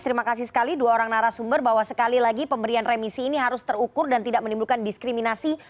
terima kasih sekali dua orang narasumber bahwa sekali lagi pemberian remisi ini harus terukur dan tidak menimbulkan diskriminasi